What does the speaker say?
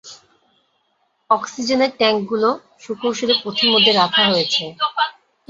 অক্সিজেনের ট্যাঙ্কগুলো সুকৌশলে পথিমধ্যে রাখা হয়েছে।